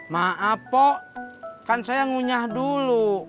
maaf po kan saya ngunyah dulu